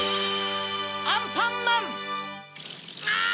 アンパンマン‼あぁ！